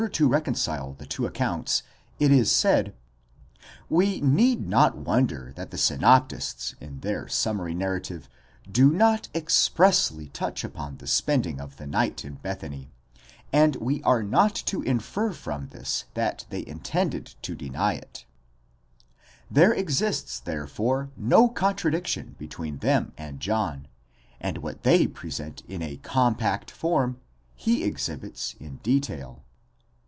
to reconcile the two accounts it is said: we need not wonder that the synop tists, in their summary narrative, do not expressly touch upon the spending of the night in Bethany, and we are not to infer from this that they intended to deny it ; there exists, therefore, no contradiction between them and John, but what they present in a compact form, he exhibits in detail.